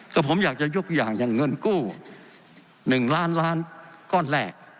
ก็ผมอยากจะยกอย่างอย่างเงินกู้๑ล้านก้อนแรก